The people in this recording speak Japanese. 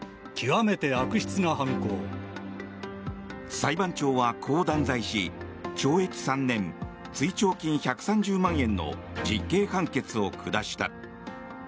裁判長はこう断罪し懲役３年追徴金１３０万円の実刑判決を下した。